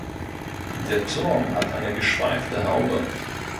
Der Turm hat eine geschweifte Haube.